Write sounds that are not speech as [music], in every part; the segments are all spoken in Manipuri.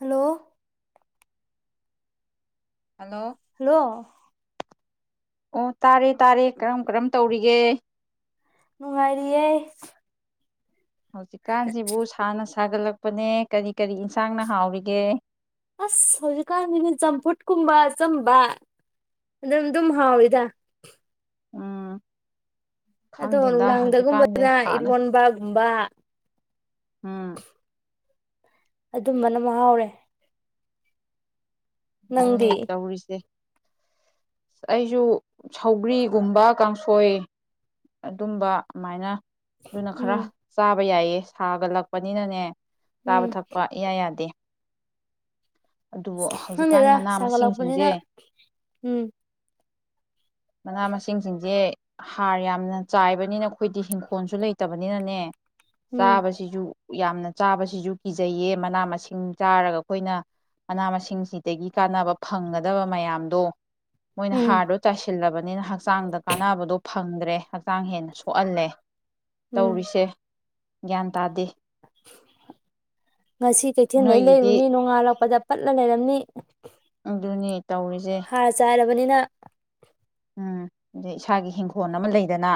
ꯍꯜꯂꯣ ꯍꯜꯂꯣ ꯍꯜꯂꯣ ꯑꯣ ꯇꯥꯔꯦ ꯇꯥꯔꯦ ꯀꯔꯝ ꯀꯔꯝ ꯇꯧꯔꯤꯒꯦ ꯃꯨꯉꯥꯔꯤꯌꯦ ꯍꯧꯖꯤꯛꯀꯥꯟꯁꯤꯕꯨ ꯁꯥꯟꯅꯁꯤ ꯁꯥꯒꯠꯂꯛꯄꯅꯦ ꯀꯔꯤ ꯀꯔꯤ ꯌꯦꯟꯁꯥꯡꯅ ꯍꯥꯎꯔꯤꯒꯦ ꯑꯁ ꯍꯧꯖꯤꯛꯀꯥꯟꯒꯤꯅꯦ ꯆꯝꯐꯨꯠ ꯀꯨꯝꯕ ꯑꯆꯝꯕ ꯑꯗꯨꯝ ꯑꯗꯨꯝ ꯍꯥꯎꯋꯤꯗ ꯑꯝ ꯑꯗꯣ ꯅꯨꯡꯗꯥꯡꯗꯒꯨꯝꯕꯗꯅ ꯁꯥꯅ ꯏꯔꯣꯟꯕꯒꯨꯝꯕ ꯎꯝ ꯑꯗꯨꯝꯕꯅ ꯃꯍꯥꯎꯔꯦ ꯑꯗꯨꯅꯦ ꯅꯪꯗꯤ ꯇꯧꯔꯤꯁꯦ ꯑꯩꯁꯨ ꯁꯒ꯭ꯔꯤꯒꯨꯝꯕ ꯀꯥꯡꯁꯣꯏ ꯑꯗꯨꯝꯕ ꯑꯗꯨꯃꯥꯏꯅ ꯑꯗꯨꯅ ꯈꯔ ꯎꯝ ꯆꯥꯕ ꯍꯥꯏꯕ ꯌꯥꯏꯌꯦ ꯁꯥꯒꯠꯂꯛꯄꯅꯤꯅꯅꯦ ꯎꯝ ꯆꯥꯕ ꯊꯛꯄ ꯏꯌꯥ ꯌꯥꯗꯦ ꯑꯗꯨꯕꯨ ꯍꯧꯖꯤꯛꯀꯥꯟ ꯍꯪꯗꯦꯗ ꯃꯅꯥ ꯆꯒ ꯂꯥꯛꯄꯅꯤꯅ ꯃꯁꯤꯡꯁꯤꯡꯁꯦ ꯎꯝ ꯃꯅꯥ ꯃꯁꯤꯡꯁꯤꯡꯁꯦ ꯍꯥꯔ ꯌꯥꯝꯅ ꯆꯥꯏꯕꯅꯤꯅ ꯑꯩꯈꯣꯏꯗꯤ ꯍꯤꯡꯈꯣꯜꯁꯨ ꯂꯩꯇꯕꯅꯤꯅꯅꯦ ꯎꯝ ꯆꯥꯕꯁꯤꯁꯨ ꯌꯥꯝꯅ ꯆꯥꯕꯁꯤꯁꯨ ꯀꯤꯖꯩꯌꯦ ꯃꯅꯥ ꯃꯁꯤꯡ ꯆꯥꯔꯒ ꯑꯩꯈꯣꯏꯅ ꯃꯅꯥ ꯃꯁꯤꯡꯁꯤꯗꯒꯤ ꯀꯥꯟꯅꯕ ꯐꯪꯒꯗꯕ ꯃꯌꯥꯝꯗꯣ ꯃꯣꯏꯅ ꯎꯝ ꯍꯥꯔꯗꯣ ꯆꯥꯏꯁꯤꯜꯂꯕꯅꯤꯅ ꯍꯛꯆꯥꯡꯗ ꯀꯥꯟꯅꯕꯗꯣ ꯐ ꯐꯪꯗ꯭ꯔꯦ ꯍꯛꯆꯥꯡ ꯍꯦꯟꯅ ꯁꯣꯛꯍꯜꯂꯦ꯫ ꯎꯝ ꯇꯧꯔꯤꯁꯦ ꯒ꯭ꯌꯥꯟ ꯇꯥꯗꯦ ꯉꯁꯤ ꯀꯩꯊꯦꯜꯗꯩ ꯅꯣꯏꯒꯤꯗꯤ ꯂꯩꯔꯨꯅꯤ ꯅꯣꯡꯉꯥꯜꯂꯛ ꯄꯗ ꯄꯠꯂ ꯂꯩꯔꯝꯅꯤ꯫ ꯑꯗꯨꯅꯦ ꯫ ꯇꯧꯔꯤꯁꯦ꯫ ꯕꯅꯤꯅ ꯎꯝ ꯑꯗꯩ ꯏꯁꯥꯒꯤ ꯍꯤꯡꯈꯣꯜ ꯑꯃ ꯂꯩꯗꯅ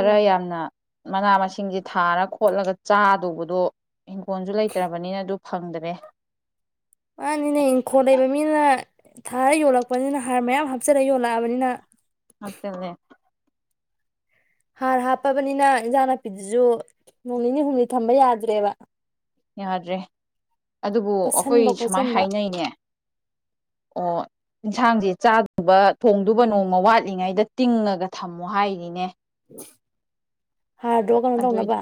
ꯎꯝ ꯌꯥꯝꯅ ꯃꯅꯥ ꯃꯁꯤꯡꯁꯦ ꯊꯥꯔ ꯈꯣꯠꯂꯒ ꯆꯥꯗꯧꯕꯗꯣ ꯏꯪꯈꯣꯜꯁꯨ ꯂꯩꯇ꯭ꯔꯕꯅꯤꯅ ꯑꯗꯨ ꯐꯪꯗ꯭ꯔꯦ꯫ ꯃꯥꯅꯤꯅꯦ ꯏꯪꯈꯣꯜ ꯂꯩꯕ ꯃꯤꯅ ꯊꯥꯔ ꯌꯣꯜꯂꯛꯄꯅꯤꯅ ꯍꯥꯔ ꯃꯌꯥꯝ ꯍꯥꯞꯆꯤꯜꯂ ꯌꯣꯜꯂꯛꯑꯕꯅꯤꯅ ꯍꯥꯞꯆꯜꯂꯦ ꯍꯥꯔ ꯍꯥꯞꯄꯕꯅꯤꯅ ꯏꯟꯖꯥꯡ ꯅꯥꯄꯤꯗꯨꯁꯨ ꯅꯣꯡ ꯅꯤꯅꯤ ꯍꯨꯝꯅꯤ ꯊꯝꯕ ꯌꯥꯗ꯭ꯔꯦꯕ꯫ ꯌꯥꯗ꯭ꯔꯦ ꯑꯗꯨꯕꯨ ꯑꯩꯈꯣꯏ ꯄꯠꯁꯟꯕ ꯁꯨꯃꯥꯏꯅ ꯈꯣꯠꯆꯟꯕ ꯍꯥꯏꯅꯩꯅꯦ ꯑꯣ ꯌꯦꯟꯁꯥꯡꯁꯦ ꯆꯥꯗꯕ ꯊꯣꯡꯗꯨꯕ ꯅꯣꯡꯃ ꯋꯥꯠꯂꯤꯉꯩꯗ ꯇꯤꯡꯉꯒ ꯊꯝꯃꯣ ꯍꯥꯏꯔꯤꯅꯦ꯫ ꯍꯥꯔꯗꯣ ꯀꯩꯅꯣ ꯑꯗꯨ ꯇꯧꯅꯕ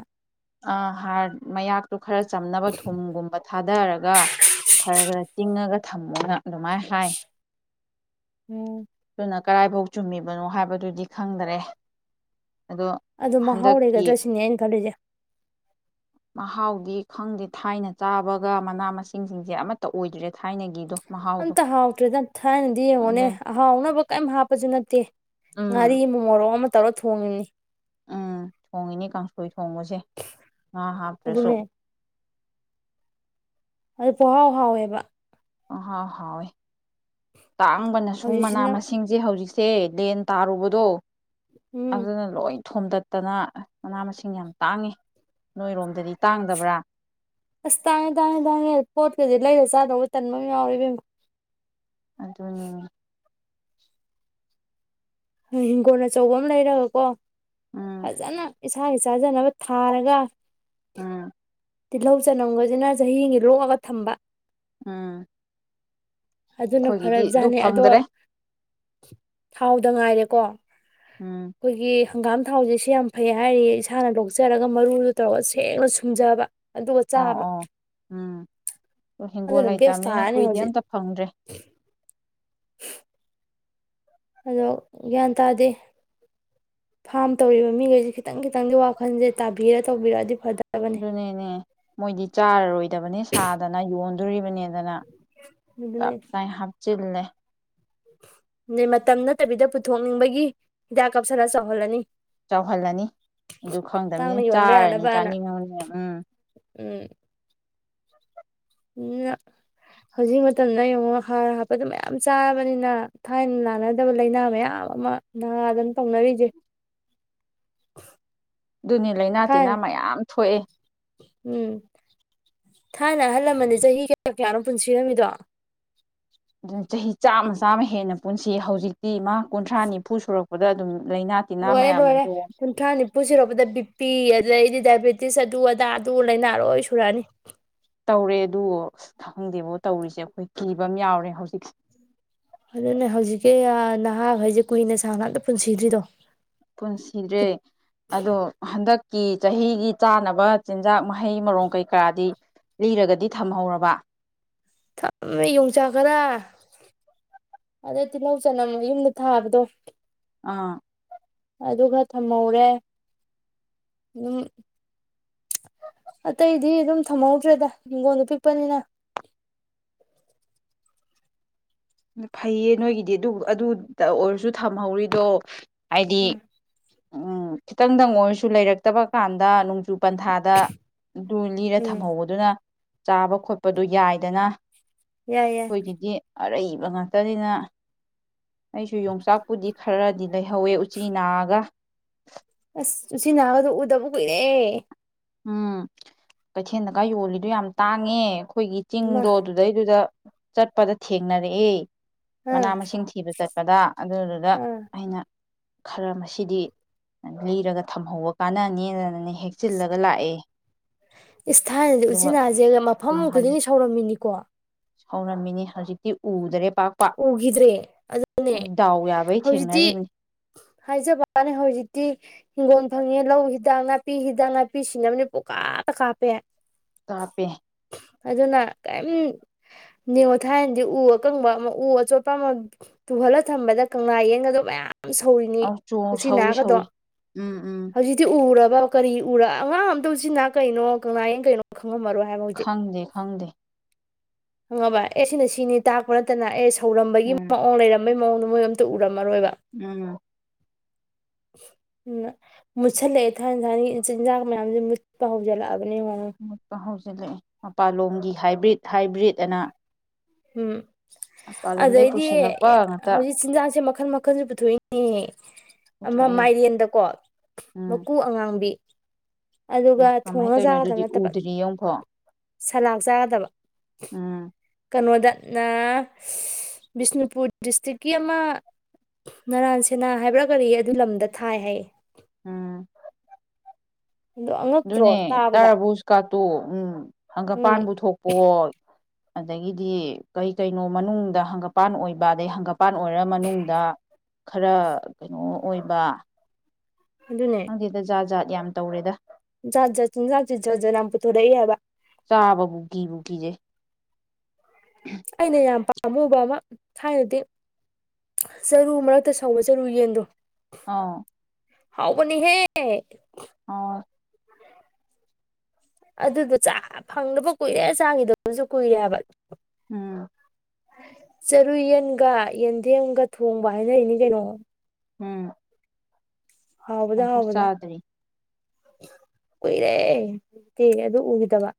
ꯍꯥꯔ ꯃꯌꯥ ꯛ ꯈꯔ ꯆꯝꯅꯕ ꯊꯨꯝꯒꯨꯝꯕ ꯊꯥ ꯊꯥꯊꯔꯒ ꯈꯔ- ꯈꯔ ꯇꯤꯡꯉꯒ ꯊꯝꯃꯣꯅ ꯑꯗꯨꯃꯥꯏꯅ ꯍꯥꯏ꯫ ꯎꯝ꯫ ꯀꯔꯥꯏꯐꯥꯎ ꯆꯨꯝꯃꯤꯕꯅꯣ ꯍꯥꯏꯕꯗꯨꯗꯤ ꯈꯪꯗꯔꯦ꯫ ꯑꯗꯣ ꯑꯗꯨ ꯃꯍꯥꯎ ꯍꯟꯗꯛꯀꯤ ꯂꯩꯒꯗ꯭ꯔꯥ ꯁꯤꯅꯦ ꯑꯩꯅ ꯈꯂꯤꯖꯤ꯫ ꯗꯤ ꯈꯪꯗꯦ ꯊꯥꯏꯅ ꯆꯥꯕꯒ ꯃꯅꯥ ꯃꯁꯤꯡꯁꯤꯡꯁꯦ ꯑꯃꯠꯇ ꯑꯣꯏꯗ꯭ꯔꯦ ꯊꯥꯏꯅꯒꯤꯗꯣ꯫ ꯃꯍꯥꯎꯗꯣ ꯑꯝꯇ ꯍꯥꯎꯇ꯭ꯔꯦꯗ ꯊꯥꯏꯅꯗꯤ ꯌꯦꯡꯉꯣꯅꯦ ꯑꯗꯨ ꯑꯍꯥꯎꯅꯕ ꯀꯩꯝ ꯍꯥꯞꯄꯁꯨ ꯅꯠꯇꯦ ꯉꯥꯔꯤ ꯎꯝ ꯑꯃ ꯃꯣꯔꯣꯛ ꯑꯃ ꯇꯧꯔ ꯊꯣꯡꯉꯤꯕꯅꯤ꯫ ꯎꯝ ꯊꯣꯡꯉꯤꯅꯦ ꯀꯥꯡꯁꯣꯏ ꯊꯣꯡꯕꯁꯦ ꯉꯥ ꯍꯥꯞꯇ꯭ꯔꯁꯨ ꯑꯗꯨꯅꯦ ꯑꯗꯨ ꯄꯣꯍꯥꯎ ꯍꯥꯎꯋꯦꯕ꯫ ꯄꯥꯍꯥꯎ -ꯍꯥꯎꯣꯏ꯫ ꯇꯥꯡꯕꯅꯁꯨ ꯃꯅꯥ ꯍꯧꯖꯤꯛꯁꯤꯅ ꯃꯁꯤꯡꯁꯦ ꯍꯧꯖꯤꯛ ꯁꯦ ꯂꯦꯟ ꯇꯥꯔꯨꯕꯗꯣ ꯎꯝ ꯑꯗꯨꯅ ꯂꯣꯏ ꯊꯣꯝꯗꯠꯇꯅ ꯃꯅꯥ - ꯃꯁꯤꯡ ꯌꯥꯝ ꯇꯥꯡꯉꯤ ꯅꯣꯏꯔꯣꯝꯗꯗꯤ ꯇꯥꯡꯗꯕ꯭ꯔꯥ? ꯑꯁ ꯇꯥꯡꯉꯦ - ꯇꯥꯡꯉꯦ - ꯇꯥꯡꯉꯦ ꯄꯣꯠꯀꯩꯁꯦ ꯂꯩꯔ ꯆꯥꯗꯧꯒ ꯇꯟꯕ ꯑꯃ ꯌꯥꯎꯔꯤꯕꯦꯝꯃ꯫ ꯑꯗꯨꯅꯤꯅꯦ꯫ ꯍꯤꯡꯒꯣꯜ ꯑꯆꯧꯕ ꯑꯃ ꯂꯩꯔꯒꯀꯣ ꯎꯝ ꯐꯖꯅ ꯏꯁꯥꯒꯤ ꯆꯥꯖꯅꯕ ꯊꯥꯔꯒ ꯎꯝ ꯇꯤꯜꯍꯧ ꯆꯅꯝꯁꯤꯅ ꯆꯍꯤꯒꯤ ꯂꯣꯛꯑꯒ ꯊꯝꯕ ꯑꯝ ꯑꯗꯨꯅ ꯐꯔꯕꯖꯥꯠꯅꯤ ꯑꯗꯣ ꯐꯪꯗ꯭ꯔꯦ ꯊꯥꯎꯗ ꯉꯥꯏꯔꯦꯀꯣ ꯎꯝ ꯑꯩꯈꯣꯏꯒꯤ ꯍꯪꯒꯥꯝ ꯊꯥꯎꯁꯦ ꯁꯤ ꯌꯥꯝ ꯐꯩ ꯍꯥꯏꯔꯤ ꯏꯁꯥꯅ ꯂꯣꯛꯆꯔꯒ ꯃꯔꯨꯗꯨꯣ ꯇꯧꯔꯒ ꯁꯦꯡꯅ ꯁꯨꯝꯖꯕ ꯑꯗꯨꯒ ꯆꯥꯕ ꯑꯗ ꯍꯤꯡꯒꯣꯜ ꯑꯗꯨꯅ ꯕꯦꯁ ꯂꯩꯇꯕꯅꯤꯅ ꯇꯥꯔꯅꯤ ꯑꯩꯈꯣꯏꯗꯤ ꯍꯧꯖꯤꯛ ꯑꯝꯇ ꯐꯪꯗ꯭ꯔꯦ ꯑꯗꯣ ꯒ꯭ꯌꯥꯟ ꯇꯥꯗꯦ ꯐꯥꯝ ꯇꯧꯔꯤꯕ ꯃꯤꯈꯩꯁꯦ ꯈꯤꯇꯪ ꯈꯤꯇꯪꯗꯤ ꯋꯥꯈꯜꯁꯦ ꯇꯥꯕꯤꯔ ꯇꯧꯕꯤꯔꯗꯤ ꯐꯖꯦ ꯑꯗꯨꯅꯦꯅꯦ ꯃꯣꯏꯗꯤ ꯆꯥꯔꯔꯣꯏꯗꯕꯅꯤ ꯁꯥꯗꯅ ꯌꯣꯟꯗꯣꯔꯤꯕꯅꯤꯅ ꯗꯅ ꯇꯥꯏ ꯍꯥꯞ ꯆꯨꯝꯅ ꯅ ꯃꯇꯝ ꯅꯠꯇꯕꯤꯗ ꯄꯨꯊꯣꯛꯅꯤꯡꯕꯒꯤ ꯍꯤꯗꯥꯛ ꯀꯥꯞꯁꯤꯜꯂ ꯆꯥꯎꯍꯜꯂꯅꯤ ꯆꯥꯎꯍꯜꯂꯅꯤ ꯑꯗꯨ ꯇꯥꯡꯅ ꯈꯪꯗꯕꯅꯤꯅ ꯌꯣꯟꯕ ꯆꯥꯔꯅꯤ ꯌꯥꯅꯕꯅ ꯆꯥꯅꯤꯡꯉꯅꯤ ꯎꯝ ꯎꯝ ꯍꯧꯖꯤꯛ ꯃꯇꯝꯗ ꯌꯦꯡꯉꯣ ꯍꯥꯔ ꯍꯥꯞꯄꯗ ꯃꯌꯥꯝ ꯆꯥꯕꯅꯤꯅ ꯊꯥꯏꯅ ꯂꯥꯟꯅꯗꯕ ꯂꯥꯏꯅꯥ ꯃꯌꯥꯝ ꯑꯃ ꯅꯥꯥꯗꯅ ꯇꯧꯅꯔꯤꯁꯦ ꯑꯗꯨꯅꯤ ꯂꯥꯏꯅꯥ ꯊꯥꯏ ꯇꯤꯟꯅꯥ ꯃꯌꯥꯝ ꯊꯣꯛꯑꯦ ꯎꯝ ꯊꯥꯏꯅ ꯑꯍꯜꯂꯝꯃꯅꯤ ꯆꯍꯤ ꯀꯌꯥ ꯀꯌꯥꯔꯣꯝ ꯄꯨꯟꯁꯤꯔꯝꯃꯤꯗꯣ ꯑꯗꯨꯅ ꯆꯍꯤ ꯆꯥꯝꯃ ꯆꯥꯝꯃ ꯍꯦꯟꯅ ꯄꯨꯟꯁꯤ ꯍꯧꯖꯤꯛꯇꯤ ꯃꯥ ꯀꯨꯟꯊ꯭ꯔꯥ ꯅꯤꯐꯨ ꯁꯨꯔꯛꯄꯗ ꯑꯗꯨꯝ ꯂꯥꯏꯅꯥ ꯇꯤꯟꯅꯥ ꯂꯣꯏꯔꯦ ꯃꯌꯥꯝꯅ ꯂꯣꯏꯔꯦ ꯌꯣꯝ ꯀꯨꯟꯊ꯭ꯔꯥ ꯅꯤꯐꯨ ꯁꯔꯛꯄꯗ ꯕꯤꯄꯤ ꯑꯗꯨꯗꯩꯗꯤ ꯗꯥꯏꯕꯦꯇꯤꯁ ꯑꯗꯨ ꯑꯗꯥ ꯑꯗꯨ ꯂꯥꯏꯅꯥ ꯂꯣꯏ ꯁꯨꯔꯛꯑꯅꯤ ꯇꯧꯔꯦ ꯑꯗꯨ ꯑꯁ ꯈꯪꯗꯦꯕꯣ ꯇꯧꯔꯤꯁꯦ ꯑꯩꯈꯣꯏ ꯀꯤꯕ ꯑꯃ ꯌꯥꯎꯔꯦ ꯍꯧꯖꯤꯛ ꯑꯗꯨꯅꯦ ꯍꯧꯖꯤꯛꯀꯤ ꯅꯍꯥꯈꯩꯁꯦ ꯀꯨꯏꯅ ꯁꯥꯥꯡ ꯉꯇ ꯄꯨꯟꯁꯤꯗ꯭ꯔꯤꯗꯣ ꯄꯨꯟꯁꯤꯗ꯭ꯔꯦ ꯑꯗꯣ ꯍꯟꯗꯛ ꯀꯤ ꯆꯍꯤꯒꯤ ꯆꯥꯅꯕ ꯆꯤꯟꯖꯥꯛ ꯍꯩ ꯃꯔꯣꯡ ꯀꯩꯀꯥꯗꯤ ꯂꯤꯔꯒꯗꯤ ꯊꯝꯍꯧꯔꯕ ꯊꯝꯃꯦ ꯌꯣꯡꯆꯥꯛ ꯈꯔꯥ ꯑꯗꯩ ꯇꯤꯜꯍꯧ ꯆꯅꯝ ꯌꯨꯝꯗ ꯊꯥꯕꯗꯣ ꯑꯥ ꯑꯗꯨꯒ ꯊꯝꯍꯧꯔꯦ ꯑꯗꯨꯝ ꯑꯇꯩꯗꯤ ꯑꯗꯨꯝ ꯊꯝꯍꯧꯗ꯭ꯔꯦꯗ ꯍꯤꯡꯒꯣꯟꯜꯗ ꯄꯤꯛꯄꯅꯤꯅ ꯐꯩꯌꯦ ꯅꯣꯏꯒꯤꯗꯤ ꯑꯗꯨ ꯑꯗꯨ ꯑꯣꯏꯔꯁꯨ ꯊꯝꯍꯧꯔꯤꯗꯣ ꯍꯥꯏꯗꯤ ꯎꯝ ꯈꯤꯇꯪꯗꯪ ꯑꯣꯏꯔꯁꯨ ꯂꯩꯔꯛꯇꯕ ꯀꯥꯟꯗ ꯨ ꯄꯟꯊꯥꯗ ꯑꯗꯨ ꯂꯤꯔ ꯎꯝ ꯊꯝꯍꯧꯕꯗꯨꯅ ꯆꯥꯕ ꯈꯣꯠꯄꯗ ꯌꯥꯏꯗꯅ ꯌꯥꯏ ꯌꯥꯏ ꯑꯩꯈꯣꯏꯒꯤꯗꯤ ꯑꯔꯩ ꯉꯥꯛꯇꯅꯤꯅ ꯑꯩꯁꯨ ꯌꯣꯡꯆꯥꯛꯄꯨꯗꯤ ꯈꯔꯥꯗꯤ ꯂꯩꯍꯧꯋꯦ ꯎꯆꯤ ꯅꯥꯒ ꯑꯁ ꯎ ꯅꯥꯒꯗ ꯎꯗꯕ ꯀꯨꯏꯔꯦ ꯎꯝ ꯀꯩꯊꯦꯜꯗꯒ ꯌꯣꯜꯂꯤꯗꯨꯣ ꯌꯥꯝ ꯇꯥꯡꯉꯦ ꯑꯩꯈꯣꯏꯒꯤ ꯏꯃꯥ ꯆꯤꯡꯗꯣ ꯑꯗꯨꯗꯩꯗꯨꯗ ꯆꯠꯄꯗ ꯊꯦꯡꯅꯔꯦ ꯑꯦ ꯑꯥ ꯃꯅꯥ ꯃꯁꯤꯡ ꯊꯤꯕ ꯆꯠꯄꯗ ꯑꯗꯨꯗꯨꯗ ꯑꯥ ꯑꯩꯅ ꯈꯔ ꯃꯁꯤꯗꯤ ꯂꯤꯔꯒ ꯊꯝꯍꯧꯕ ꯀꯥꯟꯅꯅꯦꯅꯅꯅꯤ ꯍꯦꯛ ꯆꯜꯂꯛ ꯏꯁ ꯊꯥꯏꯅꯗꯤ ꯑꯗꯨꯒ ꯎꯆꯤꯟꯅꯥꯁꯦ ꯃꯐꯝ ꯈꯨꯗꯤꯡꯒꯤ ꯁꯧꯔꯝꯃꯤꯅꯤꯀꯣ ꯁꯥꯎꯔꯝꯃꯤꯅꯤ ꯍꯧꯖꯤꯛꯇꯤ ꯎꯗ꯭ꯔꯦ ꯎꯈꯤꯗ꯭ꯔꯦ ꯑꯗꯨꯅꯦ ꯗꯥꯎ ꯌꯥꯕꯩ ꯍꯧꯖꯤꯛꯇꯤ ꯊꯦꯡꯅꯔꯤꯕꯅꯤ ꯍꯥꯏꯖꯕꯅꯦ ꯍꯧꯖꯤꯛꯇꯤ ꯍꯤꯡꯒꯣꯜ ꯐꯪꯉꯦ ꯂꯧ ꯍꯤꯗꯥꯛ ꯅꯥꯄꯤ ꯍꯤꯗꯥꯛ ꯅꯥꯄꯤ ꯁꯤꯅꯕꯅꯦ ꯄꯨꯣꯛꯀꯥꯇ ꯀꯥꯞꯄꯦ ꯀꯥꯄꯦ ꯑꯗꯨꯅ ꯀꯔꯤꯝ ꯅꯤꯉꯣꯊꯥꯏꯅꯗꯤ ꯎ ꯑꯀꯪꯕ ꯑꯃ ꯎ ꯑꯆꯣꯠꯄ ꯑꯃ ꯇꯨꯍꯜꯂ ꯊꯝꯕꯗ ꯀꯪꯂꯥ ꯌꯦꯡꯒꯗꯕ ꯃꯌꯥꯝ ꯌꯥꯝ ꯁꯧꯔꯤꯅꯤ ꯑꯧ ꯎꯆ ꯆꯣ ꯎꯆꯆꯤ ꯁꯧꯏ ꯅꯥꯒꯗꯣ ꯁꯧꯏ ꯎꯝ ꯎꯝ ꯍꯧꯖꯤꯛꯇꯤ ꯎꯔꯕ ꯀꯔꯤ ꯎꯔ ꯑꯉꯥꯡ ꯑꯝꯇ ꯎꯆꯤꯟꯅꯥ ꯀꯩꯅꯣ ꯀꯪꯂꯥ ꯌꯦꯟ ꯀꯩꯅꯣ ꯈꯪꯉꯝꯃꯔꯣꯏ ꯍꯥꯏꯕ ꯍꯧꯖꯤꯛ ꯈꯪꯗꯦ ꯈꯪꯗꯦ ꯍꯪꯉꯕ ꯑꯦ ꯁꯤꯅ ꯁꯤꯅꯤ ꯇꯥꯛꯄ ꯅꯠꯇꯅ ꯑꯦ ꯊꯧꯔꯝꯕꯒꯤ ꯎꯝ ꯃꯑꯣꯡ ꯂꯩꯔ ꯃꯧꯣꯏ ꯎ ꯃꯔ ꯑꯣꯏꯕ ꯎꯝ ꯎ ꯃꯨꯠꯁꯤꯜꯂꯛꯑꯦ ꯊꯥꯏꯅ ꯊꯥꯏꯅꯒꯤ ꯆꯤꯟꯖꯥꯛ ꯃꯌꯥꯝꯁꯦ ꯃꯨꯠꯄ ꯍꯧꯖꯤꯜꯂꯛꯑꯒ ꯎ ꯇ ꯍꯁ ꯃꯄꯥꯟꯂꯣꯝꯒꯤ ꯍꯥꯏꯕ꯭ꯔꯤꯠ ꯍꯥꯏꯕ꯭ꯔꯤꯠ ꯑꯅ ꯍꯝ ꯑꯗ ꯃꯄꯥꯟꯂꯣꯝꯗꯩ ꯏꯗꯤ ꯄꯨꯁꯤꯜꯂꯛꯄ ꯉꯥꯛꯇ ꯍꯧꯖꯤꯛ ꯆꯤꯟꯖꯁꯦ ꯃ ꯃꯈꯜ ꯃꯈꯜꯁꯨ ꯄꯨꯊꯣꯛꯏꯅꯦ ꯑꯃ ꯄꯨꯊꯣꯛꯑꯦ ꯃꯥꯏꯔꯦꯟꯗꯀꯣ ꯎꯝ ꯃꯀꯨ ꯑꯉꯥꯡꯕꯤ ꯑꯗꯨꯒ ꯃꯥ ꯀꯃꯥꯏꯅ ꯊꯣꯡꯉꯒ ꯇꯧꯔꯤꯅꯣ ꯆꯥꯒꯗꯕ ꯑꯗꯨꯗꯤ ꯅꯠꯇꯕ ꯎꯗ꯭ꯔꯤꯌꯦ ꯑꯃꯨꯛꯐꯥꯎ ꯁꯂꯥꯠ ꯆꯥꯒꯗꯕ ꯎꯝ ꯀꯩꯅꯣꯗ ꯅ ꯕꯤꯁꯅꯨꯄꯨꯔ ꯗꯤꯁꯇ꯭ꯔꯤꯛꯀꯤ ꯑꯃ ꯅꯔꯥꯟ ꯁꯦꯅꯥ ꯍꯥꯏꯕ꯭ꯔꯥ ꯀꯔꯤ ꯑꯗꯨ ꯂꯝꯗ ꯊꯥꯏ ꯍꯥꯏꯌꯦ ꯎꯝ ꯑꯗꯣ ꯑꯉꯛꯇ꯭ꯔꯣ ꯑꯗꯨꯅꯦ ꯇꯥꯕꯗ ꯇꯥꯕꯨꯁꯨ ꯀꯥꯠꯇꯣ ꯎꯝ ꯎꯝ ꯍꯪꯒꯄꯥꯟꯕꯨ ꯊꯣꯛꯄꯣ ꯑꯗꯒꯤꯗꯤ ꯀꯩ ꯀꯩꯅꯣ ꯃꯅꯨꯡꯗ ꯍꯪꯒꯄꯥꯟ ꯑꯣꯏꯕ ꯑꯗꯩ ꯍꯪꯒ ꯄꯥꯟ ꯑꯣꯏꯔ ꯃꯅꯨꯡꯗ ꯈꯔ ꯀꯩꯅꯣ ꯑꯣꯏꯕ ꯑꯗꯨꯅꯦ ꯍꯪꯒꯤꯦꯗꯖꯥꯖꯥꯠ ꯌꯥꯝ ꯇꯧꯔꯦꯗ ꯖꯥꯠ ꯖꯠ ꯆꯤꯟꯖꯥꯠ ꯖꯥꯠꯖꯠ ꯌꯥꯝ ꯄꯨꯊꯣꯔꯛꯏꯦ ꯍꯥꯏꯕ ꯆꯥꯕ ꯕꯨꯀꯤꯕꯨꯀꯤꯖꯦ ꯑꯅꯦ ꯌꯥ ꯑꯃꯨꯕ ꯑꯃ ꯊꯥꯏꯅꯗꯤ ꯆꯔꯨ ꯃꯔꯛꯇ ꯁꯧꯕ ꯆꯔꯨ ꯌꯦꯟꯗꯣ ꯑꯥ ꯍꯥꯎꯕꯅꯤꯍꯦ ꯑ ꯑꯗꯨꯗꯣ ꯆꯥ ꯐꯪꯅꯕ ꯀꯨꯏꯔꯦ ꯆꯥꯈꯤꯗꯅꯁꯨ ꯀꯨꯏꯔꯦꯕ ꯎꯝ ꯆꯔꯨꯌꯦꯟꯒ ꯌꯦꯟꯊꯦꯝꯒ ꯊꯣꯡꯕ ꯍꯥꯏꯅꯔꯤꯅꯤ ꯀꯩꯅꯣ ꯎꯝ ꯍꯥꯎꯕꯗ ꯄꯥꯡꯊꯣꯛ ꯍꯥꯎꯕꯗ ꯆꯥꯗ꯭ꯔꯤ ꯀꯨꯏꯔꯦ ꯎꯦ ꯑꯗꯨ ꯎꯈꯤꯗꯕ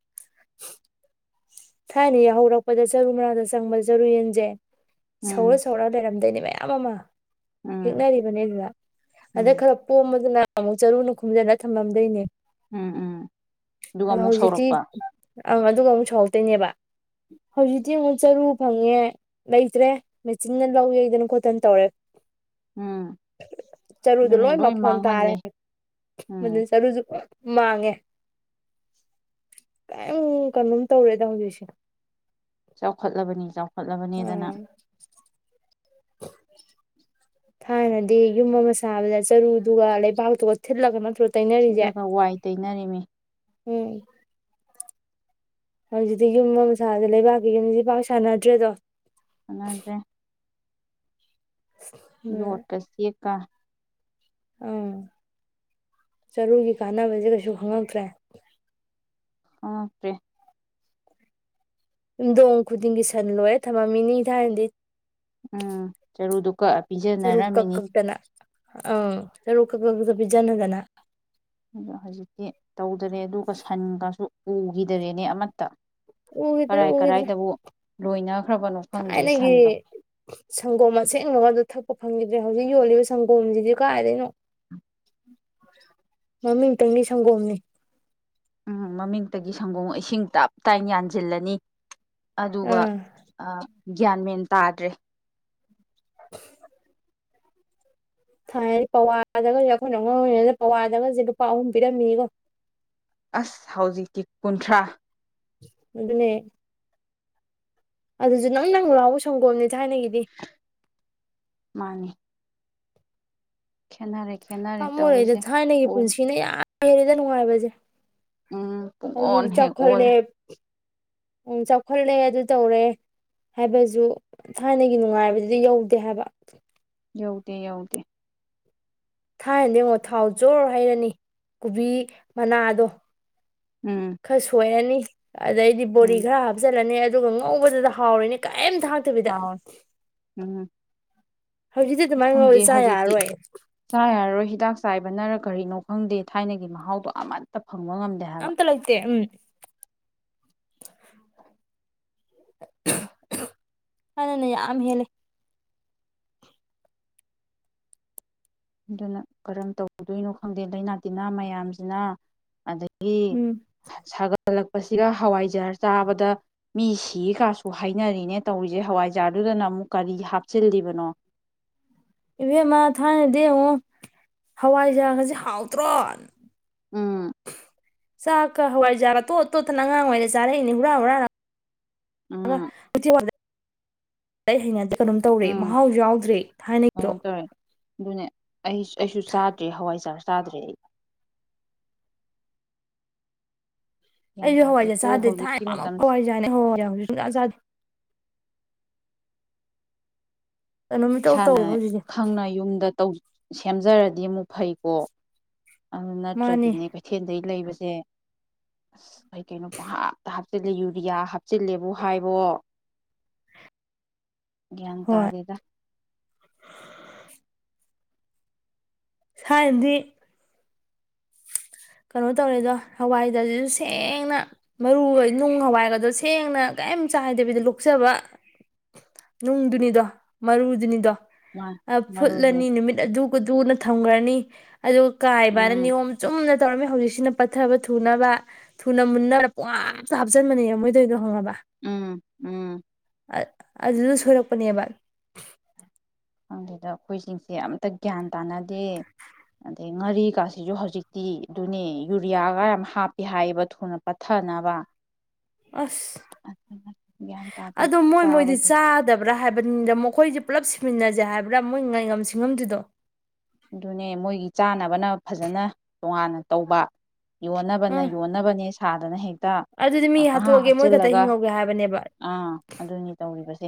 ꯊꯥꯏꯅ ꯌꯥꯍꯧꯔꯛꯄꯗ ꯆꯔꯨ ꯃꯅꯥꯗ ꯆꯪꯕꯗ ꯆꯔꯨ ꯌꯦꯟꯁꯦ ꯁꯧꯔ ꯎꯝ ꯁꯧꯔ ꯂꯩꯔꯝꯗꯣꯏꯅꯦꯕ ꯃꯌꯥꯝ ꯑꯃ ꯎꯝ ꯍꯦꯛꯅꯔꯤꯕꯅꯦ ꯑꯗꯨꯗ ꯑꯗ ꯎꯝ ꯈꯔ ꯄꯣꯝꯝꯕꯗꯨꯅ ꯑꯃꯨꯛ ꯆꯔꯨꯅ ꯈꯨꯝꯖꯟꯅ ꯊꯝꯃꯝꯗꯣꯏꯅꯦ ꯎꯝ ꯎꯝ ꯍ ꯑꯗꯨꯒ ꯑꯃꯨꯛ ꯍꯧꯖꯤꯛꯇꯤ ꯁꯧꯔꯛꯄ ꯑ ꯑꯗꯨꯒ ꯑꯃꯨꯛ ꯁꯧ ꯇꯩꯅꯦꯕ ꯍꯧꯖꯤꯛꯇꯤ ꯑꯃꯨꯛ ꯆꯔꯨ ꯐꯪꯉꯦ ꯂꯩꯇ꯭ꯔꯦ ꯃꯦꯆꯤꯟꯅ ꯂꯧ ꯌꯩꯗꯅ ꯈꯣꯠꯇꯅ ꯇꯧꯔꯦ ꯎꯝ ꯆꯔꯨꯗꯣ ꯑꯗꯨꯅꯦ ꯂꯣꯏ ꯃꯐꯣꯟ ꯇꯥꯔꯦ ꯃꯥꯡꯍꯜꯂꯤ ꯎꯝ ꯃꯗꯨꯅ ꯆꯔꯨꯁꯨ ꯃꯥꯡꯉꯦ ꯀꯩꯝ ꯀꯩꯅꯣꯝ ꯇꯧꯔꯦꯗ ꯍꯧꯖꯤꯛꯁꯦ ꯆꯥꯎꯈꯠꯂꯕꯅꯤ ꯆꯥꯎ ꯈꯠꯂꯕꯅꯦꯗꯅ ꯑꯥ [inaudible] ꯊꯥꯏꯅꯗꯤ ꯌꯨꯝ ꯑꯃ ꯁꯥꯕꯗ ꯆꯔꯨꯗꯨꯒ ꯂꯩꯕꯥꯛꯇꯨꯒ ꯊꯤꯠꯂꯒ ꯅꯠꯇ꯭ꯔ ꯁꯤꯠꯂꯒ ꯋꯥꯏ ꯇꯩꯅꯔꯤꯃꯤ ꯎꯝ ꯍꯧꯖꯤꯛꯇꯤ ꯌꯨꯝ ꯑꯃ ꯁꯥꯗ ꯂꯩꯕꯥꯛꯀꯤ ꯌꯨꯝꯁꯤꯗꯤ ꯄꯥꯛ ꯁꯥꯟꯅꯗꯔꯦꯗꯣ ꯁꯥꯅꯗꯔꯦ ꯖꯣꯠ ꯀ ꯆꯦꯛ ꯀ ꯑꯥ ꯆꯔꯨꯒꯤ ꯀꯥꯟꯅꯕꯁꯦ ꯀꯩꯁꯨ ꯈꯪꯉꯛꯇ꯭ꯔꯦ ꯈꯪꯉꯛꯇꯔꯦ ꯌꯨꯝꯊꯣꯡ ꯈꯨꯗꯤꯡꯒꯤ ꯁꯟ ꯂꯣꯏꯔꯥ ꯊꯝꯃꯝꯃꯤꯅꯤ ꯊꯥꯏꯅꯗꯤ ꯎꯝ ꯆꯔꯨꯗꯨ ꯀꯛꯑ ꯄꯤꯖꯅꯔꯝꯃꯤꯅꯤ ꯑꯩ ꯆꯔꯨ ꯀꯛꯄꯗꯨ ꯄꯤꯖꯅꯗꯅ ꯑꯗꯣ ꯍꯧꯖꯤꯛꯇꯤ ꯇꯧꯗꯔꯦ ꯗꯔꯦ ꯑꯗꯨꯒ ꯁꯟꯒꯁꯨ ꯎꯈꯤꯗꯔꯦꯅꯦ ꯑꯃꯠꯇ ꯎꯈꯤꯗꯔꯦ ꯀꯔꯥꯏ ꯎꯈꯤꯗꯔꯦ ꯀꯔꯥꯏꯗꯕꯨ ꯂꯣꯏꯅꯈ꯭ꯔꯕꯅꯣ ꯈꯪꯗ꯭ꯔꯦ ꯊꯥꯏꯅꯒꯤ ꯁꯟꯗꯣ ꯁꯪꯒꯣꯝ ꯑꯁꯦꯡꯕꯒꯗ ꯊꯛꯄ ꯐꯪꯒꯤꯗꯔꯦ ꯍꯧꯖꯤꯛ ꯍꯧꯖꯤꯛ ꯌꯣꯜꯂꯤꯕ ꯁꯪꯒꯣꯝꯁꯤꯗꯤ ꯀꯥꯏꯗꯩꯅꯣ ꯃꯃꯤꯡꯇꯒꯤ ꯁꯪꯒꯣꯝꯅꯤ ꯎꯝ ꯃꯃꯤꯡꯇꯒꯤ ꯁꯪꯒꯣꯝ ꯏꯁꯤꯡ ꯇꯞ ꯇꯥꯏꯅ ꯌꯥꯟꯁꯤꯜꯂꯅꯤ ꯑꯗꯨꯒ ꯑꯥ ꯑ ꯒꯌꯥꯟ ꯃꯦꯟ ꯇꯥꯗꯔꯦ ꯊꯥꯏꯅꯗꯤ ꯄꯋꯥꯗꯒ ꯑꯩꯈꯣꯏꯅ ꯑꯉꯥꯡ ꯑꯣꯏꯔꯤꯉꯩꯗ ꯄꯋꯥꯗꯒꯁꯦ ꯂꯨꯄꯥ ꯑꯍꯨꯝ ꯄꯤꯔꯝꯃꯤꯅꯤꯗꯣ ꯑꯁ ꯍꯧꯖꯤꯛꯇꯤ ꯀꯨꯟꯊ꯭ꯔꯥ ꯑꯗꯨꯅꯦ꯫ ꯑꯗꯨꯁꯨ ꯅꯪ - ꯅꯪ ꯂꯥꯎ ꯁꯪꯒꯣꯝꯅꯤ꯫ ꯊꯥꯏꯅꯒꯤꯗꯤ ꯈꯦꯟꯅꯔꯦ ꯄꯥꯝꯃꯨꯔꯦꯗ ꯊꯥꯏꯅꯒꯤ ꯄꯨꯟꯁꯤꯅ ꯌꯥꯝ ꯍ°ꯜꯂꯦꯗ ꯅꯨꯡꯉꯥꯏꯕꯁꯤ ꯎꯝ ꯍꯧꯖꯤꯛ ꯄꯨꯡꯑꯣꯟ ꯍꯦꯛ ꯆꯥꯎꯈꯠꯂꯦ ꯑꯣꯜꯂꯦ ꯎꯝ ꯆꯥꯎꯈꯠꯂꯦ ꯑꯗꯨ ꯇꯧꯔꯦ ꯍꯥꯏꯕꯁꯨ ꯊꯥꯏꯅꯒꯤ ꯅꯨꯡꯉꯥꯏꯕꯗꯨꯗꯤ ꯌꯧꯗꯦ ꯍꯥꯏꯕ ꯌꯧꯗꯦ ꯌꯧꯗꯦ ꯊꯥꯏ ꯅꯗ ꯌꯦꯡꯉꯣ ꯊꯥꯎ ꯖꯣꯔ ꯍꯩꯔꯅꯤ ꯀꯣꯕꯤ ꯃꯅꯥꯗꯣ ꯎꯝ ꯈꯔ ꯁꯣꯏꯔꯅꯤ ꯑꯗꯩꯗꯤ ꯕꯣꯔꯤ ꯎꯝ ꯈꯔ ꯍꯥꯞꯆꯤꯜꯂꯅꯤ ꯑꯗꯨꯒ ꯉꯧꯕꯗꯗ ꯍꯥꯎꯔꯅꯤ ꯀꯩꯑꯝ ꯍꯥꯎꯏ ꯎꯝ ꯍꯧꯖꯤꯛꯇꯤ ꯑꯗꯨꯃꯥꯏꯅ ꯈꯪꯗꯦ ꯉꯧꯔ ꯆꯥ ꯍꯧꯖꯤꯛꯇꯤ ꯌꯥꯔꯔꯣꯏ ꯆꯥ ꯌꯥꯔꯔꯣꯏ ꯍꯤꯗꯥꯛ ꯆꯥꯏꯕꯅ ꯀꯔꯤꯅꯣ ꯈꯪꯗꯦ ꯊꯥꯏꯅꯒꯤ ꯃꯍꯥꯎꯗꯣ ꯑꯃꯠꯇ ꯐꯪꯕ ꯉꯝꯗꯦ ꯍꯥꯏꯕ ꯑꯝꯇ ꯂꯥꯏꯇꯦ ꯎꯝ ꯍꯅꯅ ꯌꯥꯝ ꯍꯦꯂꯦ ꯑꯗꯨꯅ ꯀꯔꯝ ꯇꯧꯗꯣꯏꯅꯣ ꯈꯪꯗꯦ ꯂꯥꯏꯅꯥ ꯇꯤꯟꯅꯥ ꯃꯌꯥꯝꯁꯤꯅ ꯑꯗꯒꯤꯩ ꯎꯝ ꯁꯒ ꯒꯜꯂꯛꯄꯁꯤꯒ ꯍꯋꯥꯏꯖꯥꯔ ꯆꯥꯕꯗ ꯃꯤ ꯁꯤ ꯀꯥꯁꯨ ꯍꯥꯏꯅꯔꯤꯅꯦ ꯇꯧꯔꯤꯁꯦ ꯍꯋꯥꯏꯖꯥꯔꯗꯨꯗꯅ ꯑꯃꯨꯛ ꯀꯔꯤ ꯍꯥꯞꯆꯤꯜꯂꯤꯕꯅꯣ ꯏꯕꯦꯝꯃ ꯊꯥꯏꯅꯗꯤ ꯌꯦꯡꯉꯣ ꯍꯋꯥꯏꯖꯥꯒꯁꯤ ꯍꯥꯎꯇ꯭ꯔꯣ ꯎꯝ ꯆꯥꯛꯀ ꯍꯋꯥꯏꯖꯥꯔꯥ ꯑꯣꯠꯇꯣꯠꯇꯅ ꯑꯉꯥꯡꯋꯥꯏꯔ ꯆꯥꯔꯛꯏꯅꯦ ꯍꯨꯔꯥ ꯍꯨꯔꯥ ꯎꯝ ꯍꯩꯅꯗꯤ ꯀꯩꯅꯣꯝ ꯇꯧꯔꯦ ꯎꯝ ꯃꯍꯥꯎꯁꯨ ꯌꯥꯎꯗ꯭ꯔꯦ ꯊꯥꯏꯅꯒꯤꯗꯣ ꯀꯩꯅꯣꯝ ꯇꯧꯔꯦ ꯑꯗꯨꯅꯦ ꯑꯩ ꯑꯩꯁꯨ ꯆꯥꯗ꯭ꯔꯦ ꯍꯋꯥꯏꯖꯥꯔꯁꯦ ꯆꯗ꯭ꯔꯦ ꯑꯩ ꯒ꯭ꯌꯥꯟ ꯑꯩꯁꯨ ꯍꯋꯥꯏꯖꯥ ꯇꯥꯗꯦꯀꯣ ꯆꯥꯗ꯭ꯔꯦ ꯍꯧꯖꯤꯛꯀꯤ ꯊꯥꯏꯅꯄꯥꯃꯛꯄ ꯃꯇꯝꯁꯤ ꯍꯋꯥꯏꯖꯥꯠꯅꯦ ꯍꯋꯥꯏꯏ ꯍꯧꯖꯤꯛ ꯁꯨꯡꯁꯥ ꯆꯗꯦ ꯀꯩꯅꯣꯝ ꯏꯇꯧ ꯏꯁꯥꯅ ꯇꯧꯋꯦꯕ ꯍꯧꯖꯤꯛꯁꯦ ꯈꯪꯅ ꯌꯨꯝꯗ ꯇꯧ ꯁꯦꯝꯖꯔꯗꯤ ꯑꯃꯨꯛ ꯐꯩꯀꯣ ꯑꯗꯨ ꯃꯥꯅꯤ ꯅꯠꯇ꯭ꯔꯗꯤꯅꯦ ꯀꯩꯊꯦꯜꯗ ꯂꯩꯕꯁ ꯁꯦ ꯑꯁ ꯀꯩ ꯀꯩꯅꯣ ꯄꯥꯞꯍꯥꯞꯇ ꯍꯥꯞꯆꯤꯜꯂꯦ ꯌꯨꯔꯤꯌꯥ ꯍꯥꯞꯆꯤꯜꯂꯦꯕꯨ ꯍꯥꯏꯕꯣ ꯒ꯭ꯌꯥꯟ ꯍꯣꯏ ꯇꯥꯗꯗ ꯊꯥꯏꯅꯗꯤ ꯀꯩꯅꯣ ꯇꯧꯔꯦꯗꯣ ꯍꯋꯥꯏꯗꯖꯤꯁꯨ ꯁꯦꯡꯅ ꯃꯔꯨ ꯅꯨꯡ ꯍꯋꯥꯏꯒꯗꯣ ꯁꯦꯡꯅ ꯀꯔꯤꯝ ꯆꯥꯏꯗꯕꯤꯗ ꯂꯣꯛꯆꯕ ꯅꯨꯡꯗꯨꯅꯤꯗꯣ ꯃꯔꯨꯗꯨꯅꯤꯗꯣ ꯃꯥ ꯑ ꯃꯔꯨꯁꯦ ꯐꯨꯠꯂꯅꯤ ꯅꯨꯃꯤꯠ ꯑꯗꯨꯗꯨꯅ ꯊꯝꯈ꯭ꯔꯅꯤ [inaudible] ꯑꯗꯨꯒ ꯀꯥꯏꯕꯅ ꯎꯝ ꯅꯤꯌꯣꯝ ꯆꯨꯝꯅ ꯇꯧꯔꯝꯃꯦ ꯍꯧꯖꯤꯛꯁꯤꯅ ꯄꯠꯊꯕ ꯊꯨꯅꯕ ꯊꯨꯅ ꯃꯨꯟꯅꯔ ꯄꯣꯥꯞꯇ ꯍꯥꯞꯆꯟꯕꯅꯦ ꯃꯣꯏꯗꯣꯏꯗꯣ ꯍꯪꯉꯕ ꯎꯝ ꯎꯝ ꯑꯗꯨꯗ ꯁꯣꯏꯔꯛꯄꯅꯦꯕ ꯑꯗꯨꯗꯨꯗ ꯑꯩꯈꯣꯏꯁꯤꯡꯁꯦ ꯑꯝꯇ ꯒ꯭ꯌꯥꯟ ꯇꯥꯅꯗꯦ ꯑꯗꯩ ꯉꯥꯔꯤꯒꯁꯤꯁꯨ ꯍꯧꯖꯤꯛꯇꯤ ꯑꯗꯨꯅꯦ ꯌꯨꯔꯤꯌꯥꯒ ꯌꯥꯝ ꯍꯥꯞꯄꯤꯦ ꯍꯥꯏꯌꯦꯕ ꯊꯨꯅ ꯄꯠꯊꯅꯕ ꯑꯁ ꯑꯗꯨꯅ ꯒ꯭ꯌꯥꯟ ꯇꯥꯗꯦ ꯑꯗꯣ ꯃꯣꯏ ꯃꯣꯏꯗꯤ ꯆꯥꯕꯁꯦ ꯆꯥꯗꯕ꯭ꯔꯥ ꯍꯥꯏꯕꯅꯤꯗ ꯃꯈꯣꯏꯁꯦ ꯄꯨꯜꯂꯞ ꯁꯤꯃꯤꯟꯅꯁꯦ ꯍꯥꯏꯕ꯭ꯔꯥ ꯃꯣꯏ ꯉꯥꯏꯉꯝ ꯉꯝꯗꯨꯗꯣ ꯑꯗꯨꯅꯦ ꯃꯣꯏꯒꯤ ꯆꯥꯅꯕꯅ ꯐꯖꯅ ꯇꯣꯉꯥꯟꯅ ꯇꯧꯕ ꯌꯣꯟꯅꯕꯅ ꯎꯝ ꯌꯣꯟꯅꯕꯅꯦ ꯊꯥꯗꯅ ꯍꯦꯛ ꯇ ꯑꯗꯨꯗꯤ ꯃꯤ ꯄꯍꯥ ꯍꯥꯠꯇꯣꯛꯑꯒꯦ ꯃꯣꯏ ꯈꯛꯇ ꯍꯥꯞꯆꯤꯜꯂꯒ ꯍꯤꯡꯍꯧꯒꯦ ꯍꯥꯏꯕꯅꯦꯕ ꯑꯥ ꯑꯗꯨꯅꯤ ꯇꯧꯔꯤꯕꯁꯦ